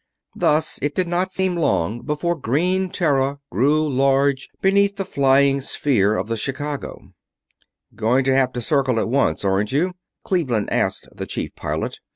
Thus it did not seem long before green Terra grew large beneath the flying sphere of the Chicago. "Going to have to circle it once, aren't you?" Cleveland asked the chief pilot.